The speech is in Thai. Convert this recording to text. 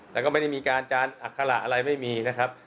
แต่ก็ไม่ได้มีการจานอัคระอะไรไม่มีนะครับ